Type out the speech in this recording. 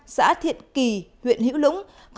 xã thiện kỳ huyện hiếu lũng